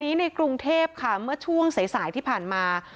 ในกรุงเทพค่ะเมื่อช่วงสายสายที่ผ่านมา